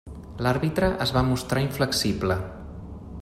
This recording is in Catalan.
L'àrbitre es va mostrar inflexible.